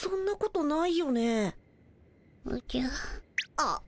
あっ。